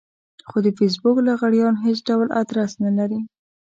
خو د فېسبوک لغړيان هېڅ ډول ادرس نه لري.